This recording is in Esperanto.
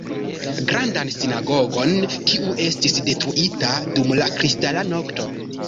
Grandan sinagogon, kiu estis detruita dum la Kristala nokto.